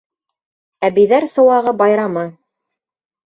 Әбейҙәр сыуағы байрамы